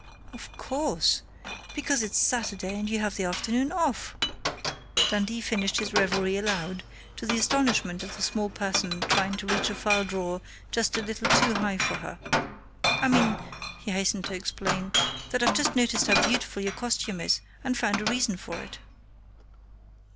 "Of course! Because it's Saturday and you have the afternoon off!" Dundee finished his reverie aloud, to the astonishment of the small person trying to reach a file drawer just a little too high for her. "I mean," he hastened to explain, "that I've just noticed how beautiful your costume is, and found a reason for it."